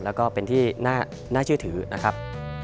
แล้วก็เป็นที่น่าเชื่อถือนะครับ